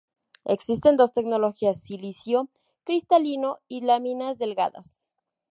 Existen dos tecnologías: silicio cristalino y láminas delgadas.